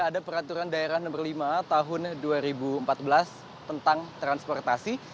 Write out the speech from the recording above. ada peraturan daerah nomor lima tahun dua ribu empat belas tentang transportasi